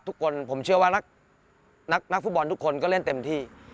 ทุกคนผมเชื่อว่านักฟุตบอลทุกคนก็เล่นเต็มที่